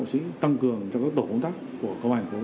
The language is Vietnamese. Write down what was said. sẽ tăng cường cho các tổ phóng tác